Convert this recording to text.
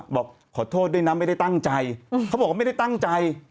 บอกขอโทษด้วยนะไม่ได้ตั้งใจ